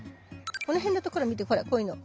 この辺の所見てほらこういうの。